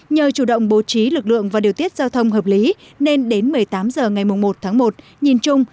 nhờ chủ động bố trí lực lượng và điều tiết giao thông hợp lý nên đến một mươi tám h ngày một tháng một nhìn chung